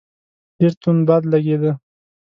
ډېر توند باد لګېدی.